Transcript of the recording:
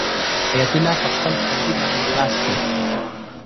حیات الله په خپل تندي باندې لاس کېښود.